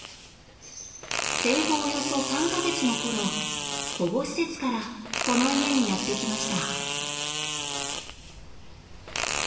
生後およそ３か月の頃保護施設からこの家にやって来ました。